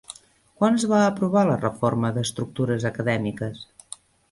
Quan es va aprovar la reforma d'estructures acadèmiques?